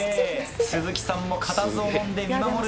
鈴木さんも固唾をのんで見守る。